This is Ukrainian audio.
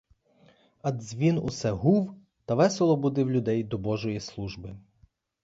А дзвін усе гув та весело будив людей до божої служби.